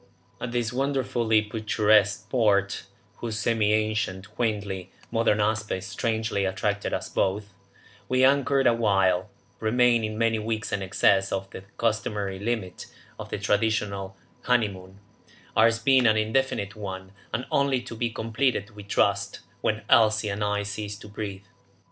At this wonderfully picturesque port, whose semi ancient, quaintly modern aspect strangely attracted us both, we anchored awhile, remaining many weeks in excess of the customary limit of the traditional honeymoon, ours being an indefinite one and only to be completed we trust, when Elsie and I cease to breathe.